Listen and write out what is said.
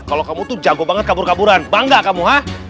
kalau kamu tuh jago banget kabur kaburan bangga kamu